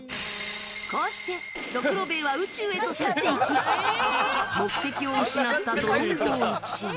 こうして、ドクロベエは宇宙へと去っていき目的を失ったドロンボー一味。